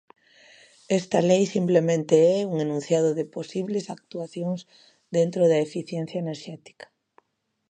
Esta lei simplemente é un enunciado de posibles actuacións dentro da eficiencia enerxética.